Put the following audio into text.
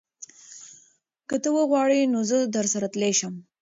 که ته وغواړې نو زه درسره تلی شم.